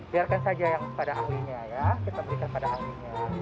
biarkan saja yang pada ahlinya ya kita berikan pada ahlinya